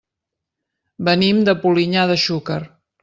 Venim de Polinyà de Xúquer.